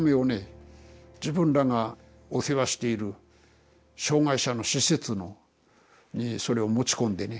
自分らがお世話している障害者の施設にそれを持ち込んでね。